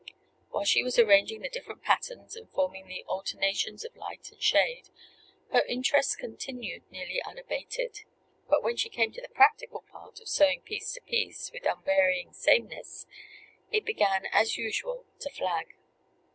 While she was arranging the different patterns, and forming the alternations of light and shade, her interest continued nearly unabated; but when she came to the practical part of sewing piece to piece with unvarying sameness, it began, as usual, to flag.